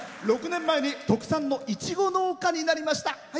６年前に特産のいちご農家になりました。